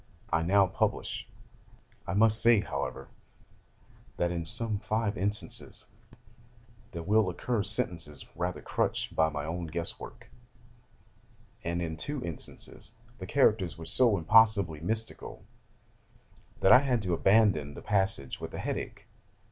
I now publish. [I must say, however, that in some five instances there will occur sentences rather crutched by my own guess work; and in two instances the characters were so impossibly mystical, that I had to abandon the passage with a head ache.